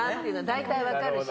大体分かるし。